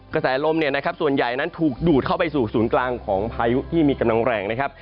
กระแสลมเนี่ยนะครับส่วนใหญ่นั้นถูกดูดเข้าไปสู่ศูนย์กลางของพายุที่มีกำลังแรงนะครับ